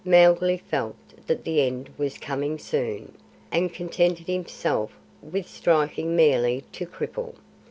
Mowgli felt that the end was coming soon, and contented himself with striking merely to cripple.